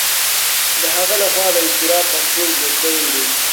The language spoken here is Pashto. د هغه لخوا د اضطراب کنټرول زده شوی دی.